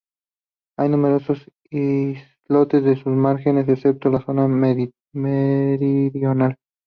Hay numerosos islotes en sus márgenes, excepto en la zona meridional.